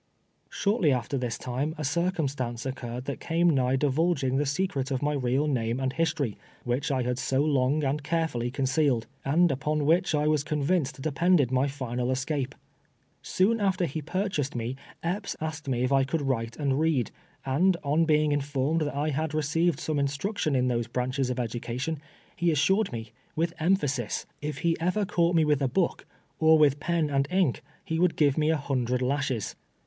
Shortly after this time a circumstance occurred that came nigh divulging the secret of my real name and history, which I had so long and carefully concealed, and upon which I was convinced depended my final escape. Soon after he purchased me, Epps asked me if I could write and read, and on being informed that I had received some instruction in those branches of education, he assured me, with emphasis, if he ever 230 TWELVE TEATiS A SLA\"E. cuny,'lit inc with a hook, or with pen and inlv, lie would o lve me a hundred laslies.